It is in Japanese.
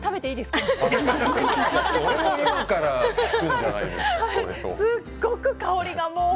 すっごく香りが。